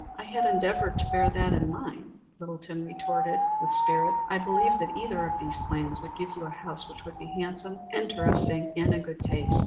"I had endeavored to bear that in mind," Littleton retorted with spirit. "I believe that either of these plans would give you a house which would be handsome, interesting and in good taste."